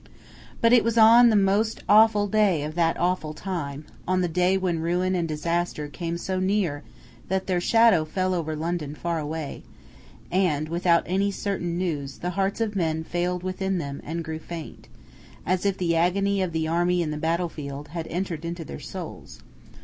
But it was on the most awful day of that awful time, on the day when ruin and disaster came so near that their shadow fell over London far away; and, without any certain news, the hearts of men failed within them and grew faint; as if the agony of the army in the battlefield had entered into their souls.